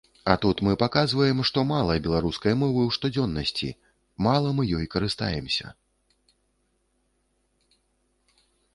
А тут мы паказваем, што мала беларускай мовы ў штодзённасці, мала мы ёй карыстаемся.